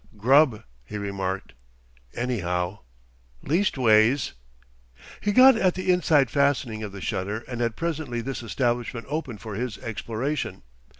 "Grub," he remarked, "anyhow. Leastways " He got at the inside fastening of the shutter and had presently this establishment open for his exploration.